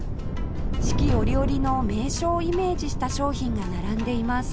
四季折々の名所をイメージした商品が並んでいます